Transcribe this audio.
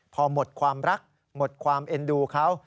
พอหมดความรักหมดความเอ็นดูเขา